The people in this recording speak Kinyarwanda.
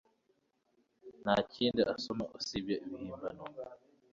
Nta kindi asoma usibye ibihimbano